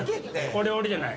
これ俺じゃない。